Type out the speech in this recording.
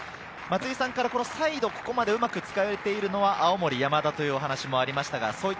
松井さんからサイドをうまく使えているのは青森山田というお話がありました。